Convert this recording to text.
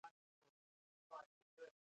کتاب زما ملګری دی.